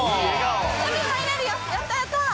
海入れるよ、やった、やった。